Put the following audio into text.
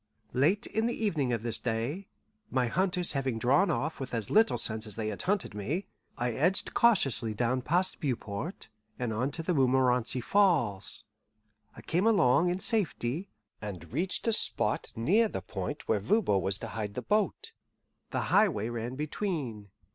Late in the evening of this day, my hunters having drawn off with as little sense as they had hunted me, I edged cautiously down past Beauport and on to the Montmorenci Falls. I came along in safety, and reached a spot near the point where Voban was to hide the boat. The highway ran between.